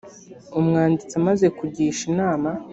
umwanditsi amaze kugisha inama